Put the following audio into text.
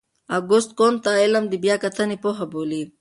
اګوست کُنت دا علم د بیا کتنې پوهه بولي.